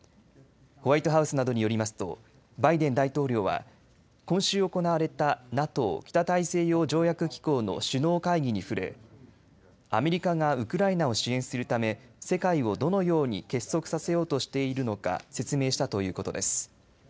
ホワイトハウスなどによりますとバイデン大統領は今週行われたＮＡＴＯ＝北大西洋条約機構の首脳会議に触れアメリカがウクライナを支援するため世界をどのように結束させようとしているのか説明したということです。